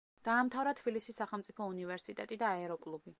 დაამთავრა თბილისის სახელმწიფო უნივერსიტეტი და აეროკლუბი.